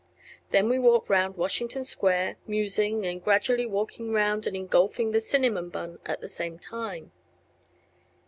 Then we walk round Washington Square, musing, and gradually walking round and engulfing the cinnamon bun at the same time.